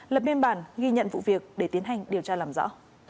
lập biên bản ghi nhận vụ việc để tiến hành điều tra làm rõ